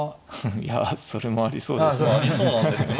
いやそれもありそうですね。